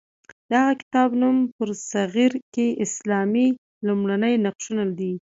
د هغه کتاب نوم برصغیر کې اسلام لومړني نقشونه دی.